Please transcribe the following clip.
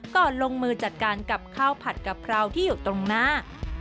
ลงมือจัดการกับข้าวผัดกะเพราที่อยู่ตรงหน้า